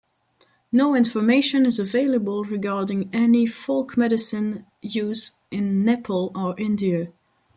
No information is available regarding any "folk medicine" use in Nepal or India.